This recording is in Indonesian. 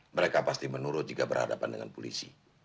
mereka pasti menurut jika berhadapan dengan polisi